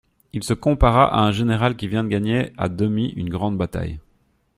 Il se compara à un général qui vient de gagner à demi une grande bataille.